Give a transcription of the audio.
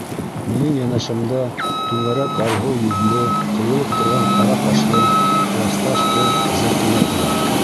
Минең йәнәшәмдә түңәрәк алһыу йөҙлө, ҡыйылып торған ҡара ҡашлы класташ ҡыҙ Зәйтүнә тора.